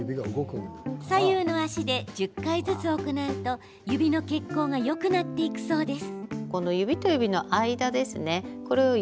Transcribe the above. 左右の足で１０回ずつ行うと指の血行がよくなっていくそうです。